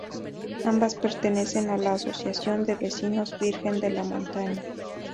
Ambas pertenecen a la asociación de vecinos Virgen de la Montaña.